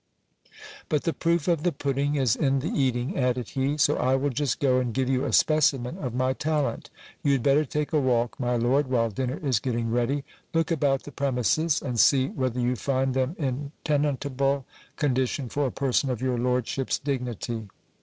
But the proof of the pudding is in the eating, added he ; so I will just go and give you a specimen of my talent. You had better take a walk, my lord, while dinner is getting ready : look about the premises ; and see whether you find them in tenantable condition for a person of your lordship's dignity.